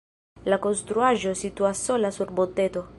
La konstruaĵo situas sola sur monteto.